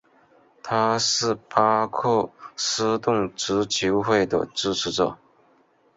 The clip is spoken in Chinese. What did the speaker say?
他是巴克斯顿足球会的支持者。